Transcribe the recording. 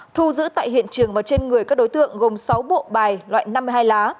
thu giữ tại hiện trường và trên người các đối tượng gồm sáu bộ bài loại năm mươi hai lá